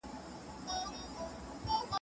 سازمانونه د نویو تړونونو په متن کي څه شاملوي؟